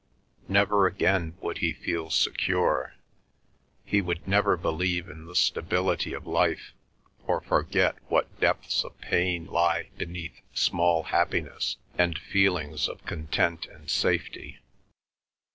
Never again would he feel secure; he would never believe in the stability of life, or forget what depths of pain lie beneath small happiness and feelings of content and safety.